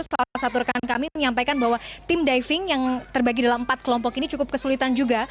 salah satu rekan kami menyampaikan bahwa tim diving yang terbagi dalam empat kelompok ini cukup kesulitan juga